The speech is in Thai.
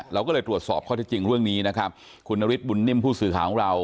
เราก็เลยตรวจสอบข้อที่จริงเรื่องนี้นะครับคุณนฤทธบุญนิ่มผู้สื่อข่าวของเรา